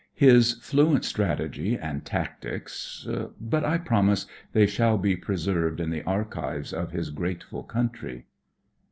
His fluent strategy and tactics— but I promise they shall be preserved in the archives of his grateful country.